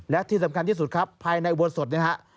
และที่สำคัญที่สุดครับภายในวงสดนี้ฮะ